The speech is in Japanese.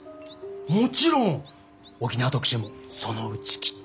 もちろん沖縄特集もそのうちきっと。